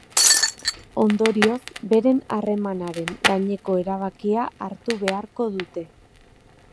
Ondorioz, beren harremanaren gaineko erabakia hartu beharko dute.